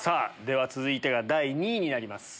続いてが第２位になります。